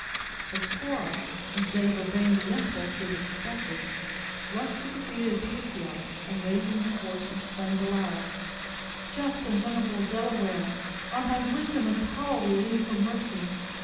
But Cora, instead of obeying the impulse he had expected, rushed to the feet of the patriarch, and, raising her voice, exclaimed aloud: "Just and venerable Delaware, on thy wisdom and power we lean for mercy!